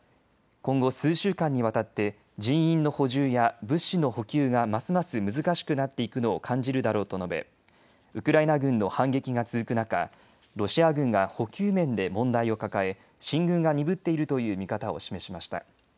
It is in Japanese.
今後、数週間にわたって人員の補充や物資の補給がますます難しくなっていくのを感じるだろうと述べウクライナ軍の反撃が続く中、ロシア軍が補給面で問題を抱え進軍が鈍っているという見方を示しました。